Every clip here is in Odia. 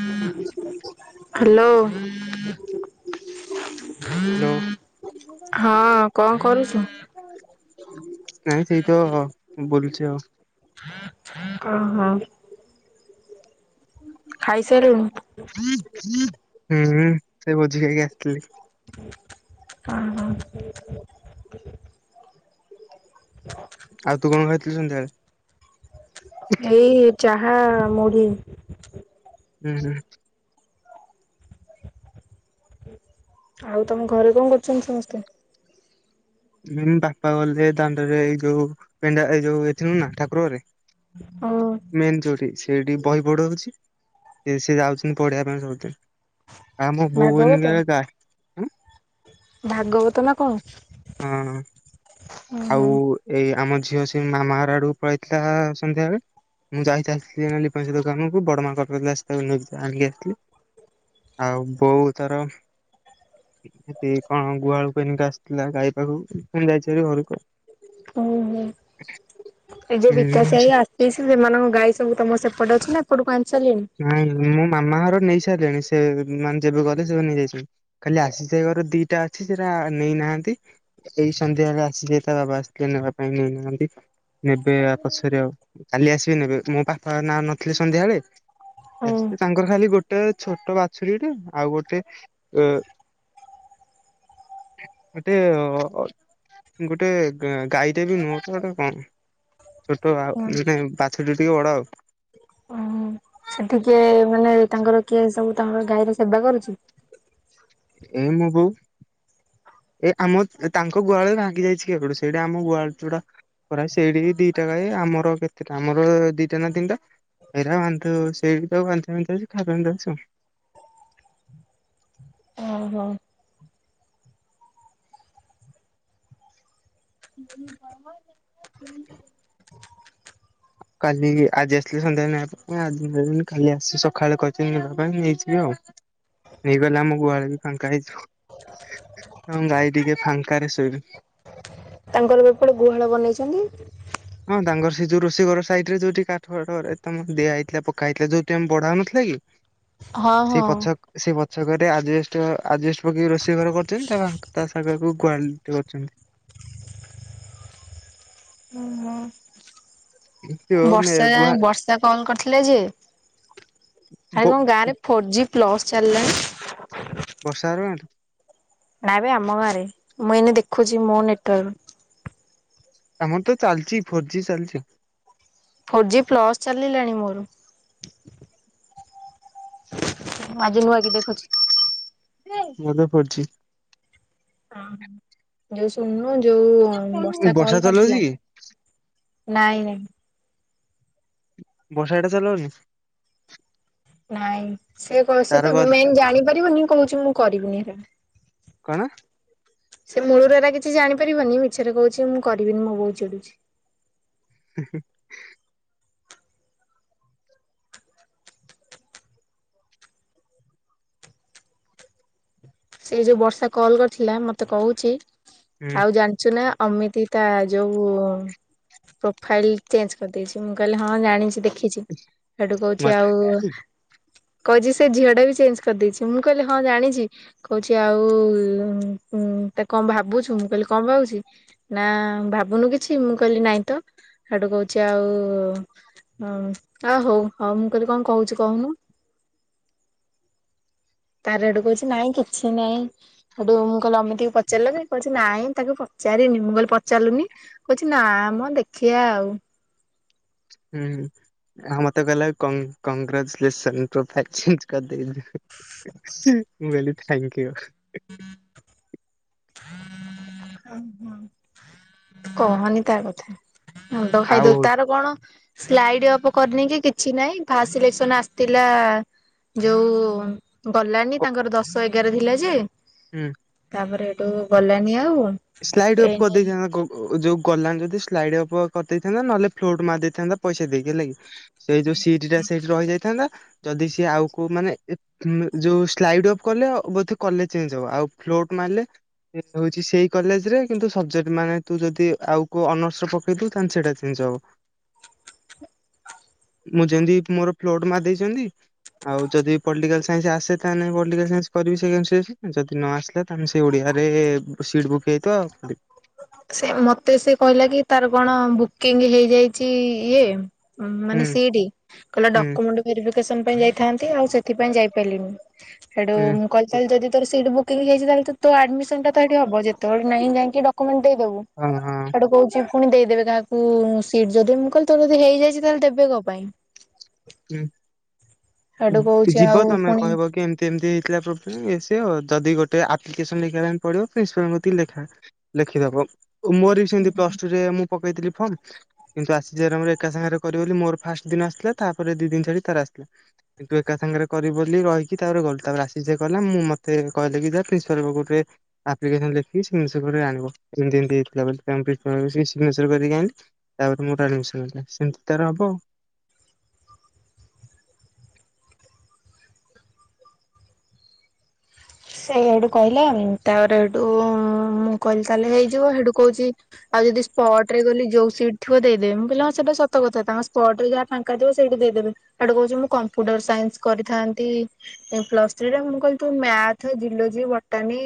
ହୁଁ [inaudible] [inaudible] ହ୍ୟାଲୋ। [unintelligible] ନାଇଁ, ସେଇତ ବୁଲ୍ଚି ଆଉ। [unintelligible] [inaudible] [unintelligible] [unintelligible] ହ ଆଉ ତୁ କ'ଣ ଖାଇଥିଲୁ ସନ୍ଧ୍ୟା--ଳେ? ଏଇ ଚାହା, ମୁଢ଼ି [inaudible] ଆଉ ତମ ଘରେ ଙ୍କ କରୁଚନ୍ତି ସମସ୍ତେ? ବାପା ଗଲେ ଦାଣ୍ଡରେ ଏଇ ଯଉ ପେଣ୍ଡା ଏଇ ଯଉ ଏଥିନୁନା ନା ଠାକୁର ରେ। ହଁ! ମେନ୍ ଯଉଠି, ସେଇଠି ବହି ପଢ଼ଉଚି ସେ ଯାଉଚନ୍ତି ପଢ଼ିବା ପାଇଁ ସବୁ ଦିନ୍‌। ଆ ଭାଗବତ ଏଇନି କା ଭାଗବତ ନା ଙ୍କ? [inaudible] ଏଇ ଆମ ଝିଅ ସି----ମାମା ଘର ଆଡ଼କୁ ପଳେଇ ଥିଲା, ସନ୍ଧ୍ୟା ଳେ। [inaudible] [inaudible] ଥିଲା ଗାଈ ପାଖକୁ, ଫୁଣି ଯାଇଚି ହାରି ଘରୁକୁ ଆଉ। [inaudible] ସେମାନଙ୍କ ଗାଈ ସବୁ ତମ ସେପଟେ ଅଛି ନା, ଏପଟକୁ ଆଣି ସାର୍ଲେଣି। ନାଇଁ ମେ ମାମା ଘର ନେଇ ସାରିଲେଣି ସେ ମାନେ ଯେବେ ଗଲେ ସେବେ ନେଇଯାଇଛନ୍ତି। ଖାଲି ଆସିଯାଇ ଘର ଦିଟା ଅଛି ସେଟା ନେଇନାହାନ୍ତି। ଏଇ ସନ୍ଧ୍ୟାବେଳେ ଆସିଲେ ତା ବାବା ଆସିଥିଲେ ନେବା ପାଇଁ ନେଇନାହାନ୍ତି। ନେବେ ପଛର କାଲି ଆସିବେ ନେବେ ମୋ ବାପା ନାଁ ନଥିଲେ ସନ୍ଧ୍ୟାବେଳେ। ହୁଁ। ତାଙ୍କର ଖାଲି ଗୋଟେ ଛୋଟ ବାଛୁରୀଟ ଆଉ ଗୋଟେ ଏ ମତେଅଅ ଗୋଟେ ଗାଈଟେ ବି ନୁହ ଗେଟେ କଣ? ଛୋଟ ଆଉ ମେ ବାଛୁରି ଟିକେ ବଡ ଆଉ ସେଠିକିଏ ମାନେ ତାଙ୍କର କିଏ ସବୁ ତାଙ୍କର ଗାଈର ସେବା କରୁଛି। ଏଇ ମୋ ବୋଉ। ଏ ଆମ ତାଙ୍କ ଗୁହାଳ ଭାଙ୍ଗି ଯାଇଛି କେଵେଠୁ ସେଇଟା ଆମ ଗୁହାଳ ଯୋଡା ପ୍ରାଏ ସେଇଠି ଦିଟା ଗାଇ ଆମର କେତେଟା ଆମର ଦିଟା ନା ତିନିଟା। ଏଇରା ବାନ୍ଧୁ ସେଇ ବି ତ ବାନ୍ଧିଦୋଉଛୁ ଖାଇବା ପାଇଁ ଦୋଉଛୁ। ଓ ହୋ। ମୁ ବାବା କାଲି ଆଜି ଆସିଥିଲେ ସନ୍ଧ୍ୟାାବେଳେ ନେବା ପାଇଁ ଆଜି ନେଲେନି କାଲି ଆସି ସଖାଳେ କହିଚନ୍ତି ନେବା ପାଇଁ ନେଇଯିବେ ଆଉ ନେଇ ଗଲେ ଆମ ଗୁଳ ବି ଫାଙ୍କା ହେଇଯିବ। ଏବଂ ଗାଈ ଟିକେ ଫାଙ୍କାରେଶୋଇଵେ। ତାଙ୍କର ଏପଟେ ଗୁହାଳ ବନେଇଛନ୍ତି। ହଁ ତାାଙ୍ଗର ସେ ଯୋଉ ରୋଷ ଘର ସାଇଟ୍ ରେ ଯୋଉଠିାକାଠଫାଟରେ ତମର ଦିଆ ହେଇଥିଲା ପକା ହେଇଥିଲା ଯଉି ଆମେ ବଢାଉ ନଥିଲା କି? ହଁ ସେଇ ହଁ। ପଛ। ସେ ପଛକରେ ଆଜବେଷ୍ଟଘର ଆଜବେଷ୍ଟ ପକେଇି ରୋଷେଇ ଘର କରୁଛନ୍ତି ତା ସାାଗକୁ କ୍ୱ କରୁଛନ୍ତି। ହୁଁ ହୁଁ। ଯୋଉ ମେ ବର୍ଷା ଯାଏ ଗୁହା ବର୍ଷ ତା କଲ୍ କରିଥିଲେ ଯେ ଆରେ ବ କଣ ଗାଁରେ ଫୋର ଜି ପ୍ଲସ ଚାଲିଗଲାଣି। ବର୍ଷା ରୁଏଣ୍ଟ। ନାଇଁ ବେ ଆମ ଗାଁ ରେ ମୁଁ ଏଇନେ ଦେଖୁଛି ମୋ ନେଟୱାର୍କ। ଆମର ତ ଚାଲିଚି ଫୋର୍ ଜି ଚାଲିଚି। ଫୋର୍ ଜି ପ୍ଲସ୍ ଚାଲିଲାଣି ମୋର। ମୁଁଆଜି ନୂଆ କି ଦେଖୁଛି। ନେ ମନେ ପଡୁଛି। ହଁ ଯୋଉ ଶୁଣୁନୁ ଯୋଉ ବର୍ଷା କଲ ଚଲଉଛି କରିଥିଲା। କି ନାଇଁ ନାଇଁ। ବର୍ଷା ଏ ଇଟା ଚଲେଇବକି? ନାଇଁ ସେ କ ସେ ତାର ତ ଗ ମେନ୍ ଜାଣିପାରିବନିଁ କହୁଛି ମୁଁ କରିବିନି ହେରା। କଣ? ସେ ମୂଳୁରୁ ଏରା କିଛି ଜାଣିପାରିବନି ମିଛରେ କହୁଛି ମୁଁ କରିବିନି ମେଉ ଚିଡୁଚି। ହ ସେଇ ଯୋଉ ବର୍ଷା କଲ କରିଥିଲା ମତେ କହୁଚି ହୁଁ ଆଉ ଜାଣି ସୁୁନା ଅମିତି ତା ଯୋଉ ପ୍ରୋଫାଇଲ ଚେଞ୍ଜ କରିଦେଇଚିମୁଁ କହିଲି ହଁ ଜାଣିଚି ଦେଖିଚି ସେଠୁ କହୁଛି ମତେ ଆଉ କହିଛି ସେ ଝିଅ ଟା ବି ଚେଞ୍ଜ କରିଦେଇଚି ମୁଁ କହିଲି ହଁ ଜାଣିଚି। କହୁଛି ଆଉ ତା କଣ ଭାବୁଛୁ ମୁଁ କହିଲି କଣ ଭାବୁଚି। ନା ଭାବୁନୁ କିଛି ମୁଁ କହିଲି ନାଇଁ ତ ହେଟୁ କହୁଛି ଆଉ ହୁଁ ଆଉ ହଉ ହଉ ମୁଁ କହିଲି କଣ କହୁଛିୁ କହୁନୁ? ତାର ଆଡୁ କହୁଛି ନାଇଁ କିଛି ନାଇଁ। ହେଟୁ ମୁଁ କହିଲି ଏମିତିକୁ ପଚାରିଲ ଯେ ନାଇଁ ତାକୁ ପଚାରିନି ମୁଁ କହିଲି ପଚାରିଲୁନି? କହୁଛି ନା ମ ଦେଖିବା ଆଉ ହୁଁ। ହଁ ମତେ କହିଲ କ କଗ୍ରା କଂଗ୍ରାଚୁଲେସନ [unintelligible] ମୁଁ କହିଲି ଥ୍ୟାଙ୍କୟୁ। ହୁଁ। ଓ ହୋ କହନି ତା କଥା। ମୁଣ୍ଡ ଖାଇ ଆଉ ଦଉ ତାର କଣ ସ୍ଲାଇଡ ଅଫ୍ କରିନି କି କିଛି ନାଇଁ ଫାସ ସିଲେକ୍ସନ ଆସିଲା। ଯୋଉ ଗଲାନି କ ତାଙ୍କର ଦଶ ଏଗାର ଥିଲା ଯେ ହୁଁ। ତାପରେ ଏଠୁ ଗଲାନି ଆଉ। ସ୍ଲାଇଡ୍ ଅପ ଏଇନେ କରିଦେଇଛ [unintelligible] ଯୋଉ ଗଲାନ ଯଦି ସ୍ଲାଇଡ୍ କରିଦେଇଥାନ୍ତା ନହେଲେ ଫ୍ଲୋଟ ମାର ଦେଇଥାନ୍ତା ପଇସା ଦେଇକି ହେଲାଣି। ସେଇ ଯୋଉ ସିଟି ଟା ସେଇଠି ରହି ଯାଇଥାନ୍ତା। ଯଦି ସିଏ ଆଉକୁ ମାନେ ଯୋଉ ସ୍ଲାଇଡ ଅଫ୍ କଲେ ବୋଧେ କଲେଜ ଚେଞ୍ଜ ହବ। ଆଉ ଫ୍ଲୋଟ ମାରିଲେ ସେ ହଉଛି ସେଇ କଲେଜ ରେ କିନ୍ତୁ ସବଜେକ୍ ମାନେ ତୁ ଯଦି ଆଉ କ ଅନର୍ସରେ ପକେଇଥିବୁ। ତାହେଲେ ସେଇଟା ଚେଞ୍ଜ ହବ। ମୁଁ ଯେମିତି ମୋର ଫ୍ଲଟ ମାରି ଦେଇଛନ୍ତି। ଆଉ ଯଦି ପଲିଟାଲ ସାଇନ୍ ଆସେ ତାହେଲେ ପଲିଟିକାଲ ସାଇନ୍ସ କରିବି। ସେ ଯଦି ନ ଆସିଲେ ଆମେ ସେ ଓଡିଆରେ ସିଟ୍ ବୁକ୍ ହେଇଥିବ। ସେ ମତେ ସେ କହିଲା କି ତାର କଣ ବୁକିଂ ହେଇଯାଇଛି। ଇଏ ମାନେ ହୁଁ ସିଠି କହିଲା ହୁଁ ଡକୁମେଟ ଭେରିଫିକେଷନ ପାଇଁ ଯାଇଥାନ୍ତି। ଆଉ ସେଥିପାଇ ଯାଇ ପାରିଲିନି। ତେଣୁ ହୁଁ। [unintelligible] ଯଦି ସଟ ବୁକିଙ୍ଗ ହେଇଯାଇଛି ତାହେଲେ ତ ଆଡ଼ମିସନ୍ ତ ସେଠି ହେବ ଯେତେବେଳେ ନାଇଁ ଯାଇକି ଡକୁମେଣ୍ଟ ଦେଇଦବୁ। ହଁ ହଁ। ସେଟେ କହୁଛି ପୁଣି ଦେଇଦେବେ କାହାକୁ ସିଟ୍ ଯଦି ମୁଁ କହିଲ ତ ଯଦି ହେଇଯାଇଛି ତାହେଲେ ଦେବେ କ ପାଇଁ? ହେଟୁ ହୁଁ କହୁଛି ଯିବ ଆଉ ତମେ ପୁଣି କହିବ କି ଏମିତି ଏମିତି ଥିଲା୍ [unintelligible] ଯଦି ଗୋଟେ ଆପ୍ଲିକେସନ ଲେଖିବା ପାଇଁ ପଡିବ ପ୍ରିନ୍ସିପାଲଙ୍କଠି ଲେଖା ଲେଖିଦବ ମୁଁ ହରି ସେମ ପ୍ଲସ ଟୁ ରେ ମୁଁ ପକେଇଥିଲି ଫର୍ମ କିନ୍ତୁ ଆସିିବର ଏକା ସାଙ୍ଗରେ କରିବ ବୋଲି ମୋର ଫାଷ୍ଟ ଦିନ ଆସିଲା। ତାପରେ ଦି ଦିନ ଛାଡି ତାର ଆସିଲା। କିନ୍ତୁ ଏକା ସାଙ୍ଗରେ କରିବ ବୋଲି ରହିକି ତାପରେ ଗଲି ତାପରେ ଆସିିସ ଭାଇ ଗଲା ମୁଁ ମତେ କହିଲେ କି ଯାହା ପ୍ରିନ୍ସିପାଲ ପାଖେ ଆପ୍ନ ଲେଖିି ଆଣ ଏମତିତି ହେଇଥିଲାର କରିକି ଆଣ ତାପରେ ମୋର ଆଣମିଶ ନଲେ ସେମିତି ତାର ହବ। ସେ ସେଇଠୁ କହିଲା ତାପରେ ସେଠୁ ମୁଁ କହିଲି ତାହେଲେ ହେଇଯିବ ସେଠୁ କହୁଛି। ଆଉ ଯଦି ସ୍ପଟ ରେ ଗଲି ଯୋଉ ସିଟ ଥିବ ଦେଇଦେବ ମୁଁ କହିଲ କ ସେଇଟା ସତ କଥା ତାଙ୍କ ସ୍ପଟ ରେ ଯା ଫାଙ୍କା ଦେବ ସେଇଠୁ ଦେଇଦେବେ ସେଠୁ କହୁଛି ମୁଁ କମ୍ପ୍ୟୁଟର ସାଇନ୍ସ କରିଥାନ୍ତି। ପ୍ଲସ ଥ୍ରୀରେ ମୁଁ କହିଲ ତୁ ମଥ ଜିଲୋଜି ବଟାନି।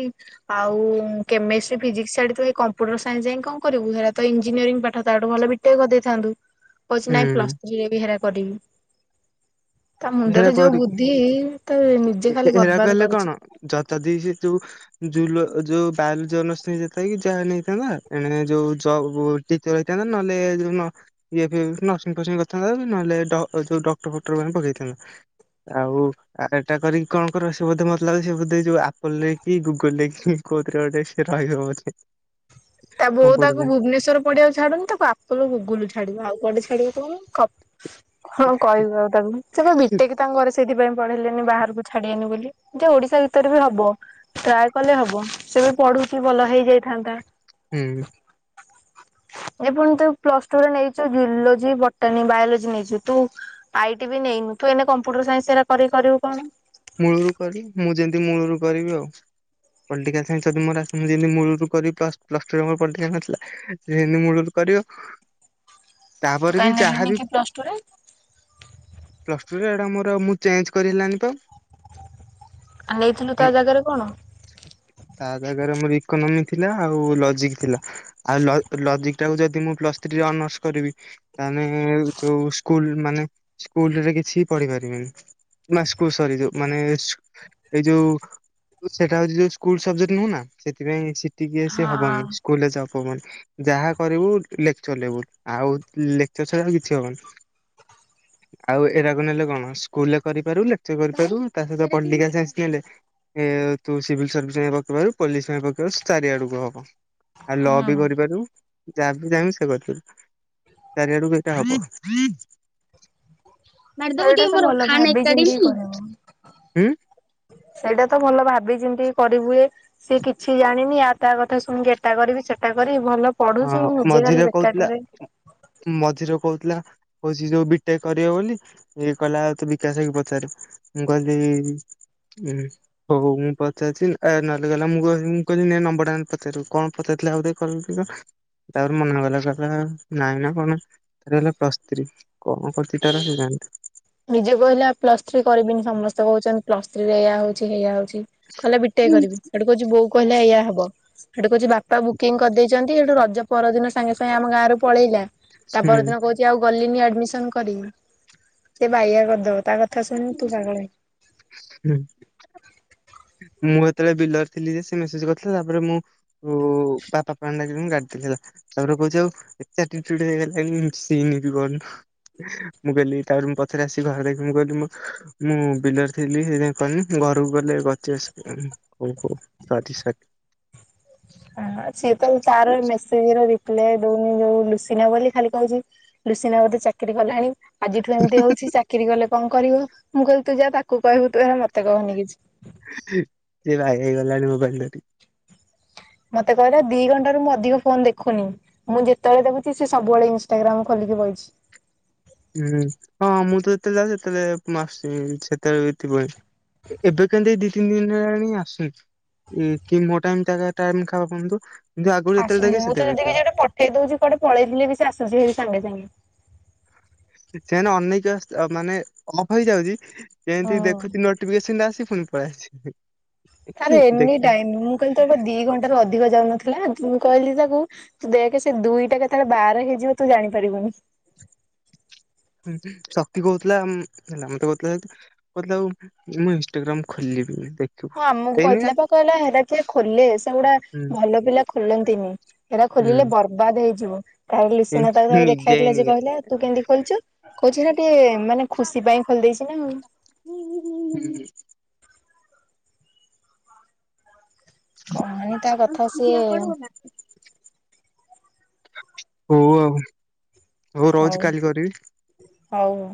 ଆଉ କେମିଷ୍ଟ୍ରି ଫିଜିକ୍ ଛାଥିବେ କମ୍ପ୍ୟୁଟର ସାଇନ୍ସ ଯାଇ କଣ କରିବୁ ହେରା ତ ଇଞ୍ିନିୟରିଂ ପାଠ ତଠୁ ଭଲ ବି ଟେ କରିଦେଇଥାନ୍ତୁ। [unintelligible] କହୁଛି ନାଇଁ ପ୍ଲସ୍ ଥ୍ରୀରେ ବି ହେରା କରିବି। ତା ସେଟା ମୁଣ୍ଡରେ ଯୋଉ କରି ବୁଦ୍ଧି ତ ନିଜେ ଖାଲି ବର୍ବାଦ କରୁଛି। ଯତା ଦେଇ ସେ ଯୋଉ ଜୁଲ ଯୋଉ ବାଲ ଜନ ସ୍ ଯେ କି ଯାହା ନେଇଥାନ୍ତା ଏଣେ ଯୋଉ ଚର୍ ରଥା ନହେଲେ। ଇଏ ନର୍ସିଂ ଫର୍ସିଂ କରିଥାନ୍ ନହେଲେ ଯୋଉ ଡକ୍ଟର ଫକ୍ଟର ମାନେ ପକେଇଥାନ୍ତା। ଆଉ ଏଟା କରିକି କଣ କର ସେ ବୋଧେ ମତଲା ସେ ବୋଧ ଯୋଉ ଆପଲ ରେ କି ଗୁଗୁଲ ରେ କି କହୁଥି ଗୋଟେ ସେ ରହେ ତା ବୋଉ ତାକୁ ଭୁବନେଶ୍ୱର ପଡିଆକୁ ଛାଡୁନ ତାକୁ ଆପଲ ଗୁଗୁଲ ଛାଡିବ ଆଉ କଆେ ଛଡିବ କଣ? ହଁ କହିବୁ ଆଉ ତାକୁ ସେବେ ବିଟେକି ତାଙ୍କ ଘରେ ସେଇଥିପାଇଁ ପଢେଇଲେନି ବାହାରକୁ ଛାଡିିବେନି ବୋଲି। ଯେ ଓଡିଶା ଭିତରେ ବି ହବ ଟ୍ରାଏ କଲେ ହବ ସେ ବି ପଢୁଛି ଭଲ ହେଇଯାଇଥାନ୍ତା। ହୁଁ। ଏ ପୁଣି ତୁ ପ୍ଲସ ଟୁରେ ନେଇଚୁ ଜୁଲୋଜି, ବଟନୀ, ବାୟୋଲୋଜି ନେଇଛୁ। ତୁ ଆଇ ଟି ବି ନେଇନୁ, ତୁ ଏଇନେ କମ୍ପ୍ୟୁଟର ସାଇନ୍ସ ହେଇରା କରିକି କରିବୁ କଣ? ମୂଳୁରୁ କରିବି ମୁଁ ଯେମତି ମୂଳୁରୁ କରିବି ଆଉ। ପଲ୍ଟିକାଲ ସାଇନ୍ସ ଯଦି ମୋର ଆସେ, ମୁଁ ଯେମତି ମୂଳୁରୁ କରିବି ପ୍ଳ-ପ୍ଲସ୍ ଟୁରେ ମୋର ପଲ୍ଟିକାଲ ସାଇନ୍ସ ଥିଲା ଯେନ୍ତି ମୂଳୁରୁ କରିବ, ତୁ ତାପରେ କାଇଁ ବି ନେଲୁନି ଯାହାବି କି ପ୍ଲସ ଟୁ ରେ? ପ୍ଲସ ଟୁରେ ଏଇଟା ମୋର ଆଉ ମୁଁ ଚେଞ୍ଜ କରି ହେଲାନି ପା। ଆଇଥିଲୁ ତା ଜାଗାରେ କଣ? ତା ଜାଗାରେ ମୋର ଇକୋନୋମି ଥିଲା ଆଉ ଲଜିକ ଥିଲା, ଆଉ ଲ-ଲଜିକ ଜିକଟାକୁ ଯଦି ମୁଁ ପ୍ଲସ୍ ଥ୍ରୀରେ ଅନର୍ସ କରିବି, ତାହେନେ ଯୋଉ ସ୍କୁଲ ମାନେ ସ୍କୁଲରେ କିଛି ପଢି ପାରିବିନି। ମା ସ୍କୁ ସରି ଯୋଉ ମାନେ ଏସ ଏଇ ଯୋଉ ସେଟା ହଉଛି ଯୋଉ ସ୍କୁଲ ସବଜେକ୍ଟ ନୁହଁ ନା, ସେଥିପାଇଁ ଟିକେ ସେ ହଁ ହବନି, ସ୍କୁଲରେ ଯାଉ ହବନି। ଯାହା କରିବୁ ଲେକ୍ଚର ଲେବୁଲ, ଆଉ ଲେକ୍ଚର ଛଡ଼ା ଆଉ କିଛି ହବନି। ଆଉ ଏରାକୁ ନେଲେ କଣ, ସ୍କୁଲରେ କରିପାରୁ, ଲେକ୍ଚର କରିପାରୁ ତା ସହିତ ପଲ୍ଟିକାଲ୍ ସାଇନ୍ସ ନେଲେ ଏ ତୁ ସିଭିଲ୍ ସର୍ଭିସ ପାଇଁ ପକେଇପାରିବୁ, ପୋଲିସ ପାଇଁ ପକେଇପାରୁୁ, ଚାରିଆଡକୁ ହବ। ଆଉ ଲ ହୁଁ ବି କରିପାରିବୁ। ଯାହାକୁ ଚାହିଁବୁ ସେୟା କରିପାରିବୁ। ଚାରିଆଡକୁ ଏଇଟା ହବ। ମାରଦବ ସେଇଟା ଟିକେ ତ ମୋର, ଭଲ ଖାନ ଭାବି ଚିନ୍ତି ଏକାଡ଼େମୀ କରିବୁ। ସେଇଟା ତ ଭଲ ଭାବି ଚିନ୍ତିକି କରିହୁଏ ସିଏ କିଛି ଜାଣିନି, ଆ ତା କଥା ଶୁଣିକି ଏଟା କରିବି, ସେଟା କରିବି, ଭଲ ପଢୁଛି, ହଁ ନିଜେ ମଝିରେ ଖାଲି କହୁଥିଲା ବେକାରଟାରେ ମଝିରେ କହୁଥିଲା, କଉଛି ଯୋଉ ବି ଟେକ୍ କରିବ ବୋଲି, ଇଏ କହିଲା ଆଉ ତୁ ବିକାଶ ଭାଇକି ପଚାରିବୁ ମୁଁ କହିଲି ଉମ୍ ହଉ ମୁଁ ପଚାରିଛି, ଆ ନହେଲେ କହିଲା ମୁଁ କହି ମୁଁ କହିଲି ନେ ନମ୍ବରଟା ନହେଲେ ପଚାରିବୁ, କଣ ପଚାରିଥିଲା ଆଉରା [unintelligible] ତାପରେ ମନା କଲା, କହିଲା କଇଲା ନାହିଁ ନା କଣ ତାପରେ କହିଲା ପ୍ଲସ ଥ୍ରି, କଣ କରୁଛି ତାର ସିଏ ଜାଣିଥିବ। ନିଜେ କହିଲା ପ୍ଲସ ଥ୍ରୀ କରିବିନି, ସମସ୍ତେ କହୁଛନ୍ତି ପ୍ଲସ୍ ଥ୍ରୀରେ ଏୟା ହଉଛି, ସେୟା ହଉଛି କହିଲା ବି ଟେକ୍ କରିବି। ସୋଉଟୁ କହୁଛିି ବୋଉ କହିଲା ଏଇଆ ହବ ସେଉଟୁ କହୁଛି ବାପା ବୁକିଂ କରିଦେଇଚନ୍ତି, ସେଉଠୁ ରଜ ପରଦିନ ସାଙ୍ଗେ ସାଙ୍ଗେ ଆମ ଗାଁରୁ ପଳେଇଲା ତା ହୁଁ ପରଦିନ କହୁଛି ଆଉ ଗଲିନି ଆଡମିସନ କରି ସେ ବାଇଆ କରିଦବ, ତା କଥା ଶୁଣିବୁ ତୁ ପାଗଳ ହେଇ ହୁଁ। ମୁଁ ହେତେବେଳେ ବିଲରେ ଥିଲି ଯେ ସେ ମେସେଜ କରିଥିଲା, ତାପରେ ମୁଁ ଓ ବାପା [unintelligible] ଗାଡି ଥିଲା ତାପରେ କହୁଛି ଆଉ ଏତେ ଆଟିଚୁଡ ହେଇଗଲାଣି, ସିନ ବି କରୁନୁ। ମୁଁ କଇଲି, ତାପରେ ମୁଁ ପଛରେ ଆସିିକି ଘରେ ମୁଁ କହିଲି ମୁଁ ମୁଁ ବିଲରେ ଥିଲି ସେଇଥିପାଇଁ କରନି, ମୁଁ ଘରକୁ ଗଲେ କ [unintelligible] ହଉ ହଉ ସରି ସରି। ହଁ ସିଏ ତ ତାର ମେସିଜିର ରିପ୍ଲାଏ ଦଉନି ଯୋଉ ଲୁସିନା ବୋଲି ଖାଲି କହୁଛି ଲୁସିନା ବୋଧେ ଚାକିରୀ କଲାଣି ଆଜିଠୁ ଏମତି ହଉଛି, ଚାକିରୀ କଲେ କଣ କରିବ। ମୁଁ କହିଲି ତୁ ଯା ତାକୁ କହିବୁ, ତୁ ହେଇରା ମତେ କହନି କିଛି। ସେ ବାୟା ହେଇଗଲାଣି ମୋବାଇଲ ଧରି। ମତେ କହିଲା, ଦି ଘଣ୍ଟାରୁ ମୁଁ ଅଧିକ ଫୋନ ଦେଖୁନି। ମୁଁ ଯେତେବେଳେ ଦେଖୁଛି, ସେ ସବୁବେଳେ ଇନଷ୍ଟାଗ୍ରାମ ଖୋଲିକି ବଇଛି। ହୁଁ। ହଁ ମୁଁ ତ ଯେତେବେଳେ ଯାଉଚି, ସେତେବେଳେ ମାସ ସେତେବେଳେ ବି ଥିବ ଏବେ କେମତି ଏଇ ଦି ତିନି ଦିନ ହେଲାଣି ଆସୁନି। କି ମୋ ଟାଇମ୍ ତା କା ଟାଇମ୍ ଖାପ ପାନ୍ତୁ, କିନ୍ତୁ ଆଗୁରୁ ଯେତେବେଳେ ଦେଖେ ସେତେବେଳେ ଥିବ। ଖାଇ ଦଉଛି, କୁଆଡ଼େ ପଳେଇଥିଲେ ବି ସେ ଆସୁଛି ହେରି ସାଙ୍ଗେ ସାଙ୍ଗେ। ସେନ ଅନେଇକି ଆସି ମାନେ ଅଫ୍ ହେଇଯାଉଛି ଏମିତି ହଁ। ଦେଖୁଛି ନୋଟିଫିକେସନ ଟା ଆସି ଫୁଣି ପଳେଇଆସୁଛି। ତାର ଏନି ଟାଇମ ମୁଁ କହିଲି ତୋର ତ ଦି ଘଣ୍ଟାରୁ ଅଧିକ ଯାଉନଥିଲା ମୁଁ କହିଲି ତାକୁ ତୁ ଦେଖେ ସେ ଦୁଇଟା କେତେବେଳେ ବାର ହେଇଯିବ ତୁ ଜାଣିପାରିବୁନି। ହୁଁ ଶକ୍ତି କହୁଥିଲା ହେଲା ମତେ କହୁଥିଲା କହୁଥିଲା ଆଉ ମୁଁ ଇନଷ୍ଟାଗ୍ରାମ ଖୋଲିବି ଦେ ହଁ ଆମକୁ କହିଥିଲା ପା କହିଲା ହେରା କିଏ ଖୋଲେ ସେଗୁଡା ହୁଁ ଭଲ ପିଲା ଖୋଲନ୍ତିନି। ହେରା ଖୋଲିଲେ ହୁଁ ବର୍ବାଦ ହେଇଯିବ ତାରେ ଲିସିିନା ତାକୁ ଥରେ ନିଜେ ଦେଖାହେଇଥିଲା ଯେ ଏଇନିକା କହିଲା ତୁ କେମିତି ଖୋଲିଛୁ କହୁଚି ନା ଟିକେ ମାନେ ଖୁସି ପାଇଁ ଖୋଲିଦେଇଛି ନା ହୁଁ ହୁଁ ହୁଁ ହୁଁ କହନି ତା କଥା ସିଏ ହଉ ଆଉ ହଉ ରହୁଛି କାଲି କରିବି। ହଉ ହଉ।